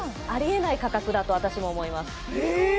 ありえない価格だと私も思います